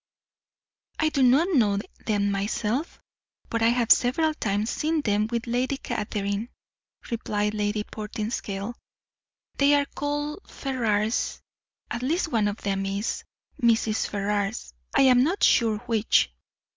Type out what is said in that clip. "I do not know them myself, but I have several times seen them with Lady Catherine," replied Lady Portinscale. "They are called Ferrars; at least, one of them is Mrs. Ferrars, I am not sure which."